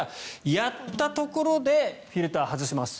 やったところでフィルターを外します。